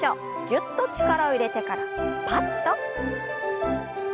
ぎゅっと力を入れてからパッと。